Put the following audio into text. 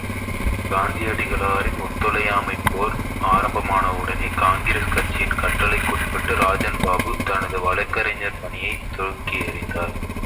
காந்தியடிகளாரின் ஒத்துழையாமைப் போர் ஆரம்பமானவுடனே காங்கிரஸ் கட்சியின் கட்டளைக்குட்பட்டு ராஜன்பாபு தனது வழக்குரைஞர் பணியைத் தூக்கி எறிந்தார்.